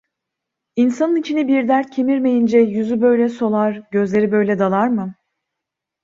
İnsanın içini bir dert kemirmeyince yüzü böyle solar, gözleri böyle dalar mı?